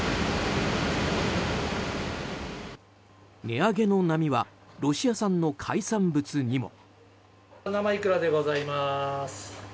値上げの波はロシア産の海産物にも。